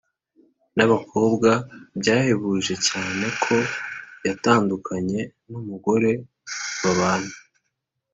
nabakobwa byahebuje cyane ko yatandukanye numugore babana